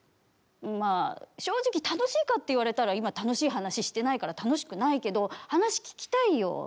まあ正直楽しいかって言われたら今、楽しい話してないから楽しくないけど話聞きたいよ。